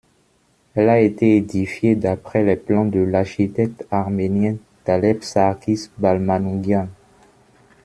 Elle a été édifiée d'après les plans de l'architecte arménien d'Alep Sarkis Balmanougian.